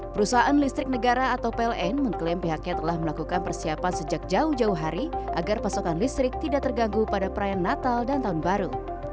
perusahaan listrik negara atau pln mengklaim pihaknya telah melakukan persiapan sejak jauh jauh hari agar pasokan listrik tidak terganggu pada perayaan natal dan tahun baru